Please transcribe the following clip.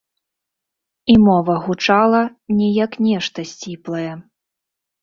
І мова гучала не як нешта сціплае.